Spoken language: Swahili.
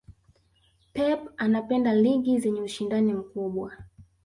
pep anapenda ligi zenye ushindani mkubwa